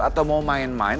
atau mau main main